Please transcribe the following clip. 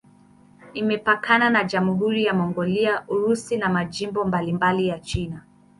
Imepakana na Jamhuri ya Mongolia, Urusi na majimbo mbalimbali ya China.